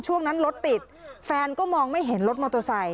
ช่วงนั้นรถติดแฟนก็มองไม่เห็นรถมอเตอร์ไซค